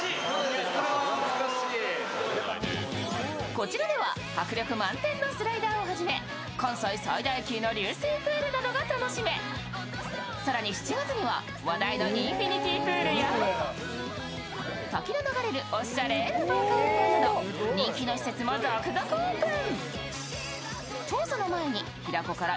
こちらでは迫力満点のスライダーをはじめ関西最大級の流水プールなどが楽しめ、更に、７月には話題のインフィニティプールや、滝の流れるおしゃれなバーカウンターなど人気の施設も続々オープン。